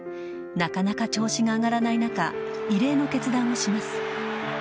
なかなか調子が上がらない中、異例の決断をします。